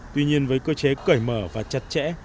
tuy nhiên với cơ chế cởi mở và chặt chẽ